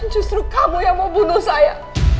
justru kamu yang mau bunuh saya